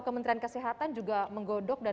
kementerian kesehatan juga menggodok dan